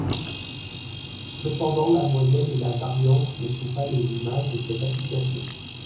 Cependant la moyenne et la variance ne sont pas les images de cette application.